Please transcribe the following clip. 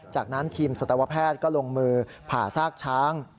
จากนั้นทีมสัตวแพทย์ก็ลงมือผ่าซากช้าง